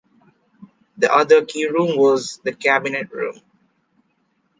The other key room was the Cabinet Room.